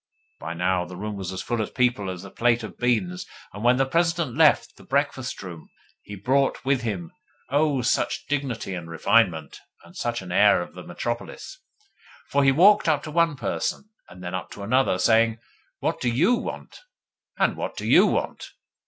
By now the room was as full of people as a plate is of beans, and when the President left the breakfast room he brought with him, oh, such dignity and refinement, and such an air of the metropolis! First he walked up to one person, and then up to another, saying: 'What do YOU want? And what do YOU want?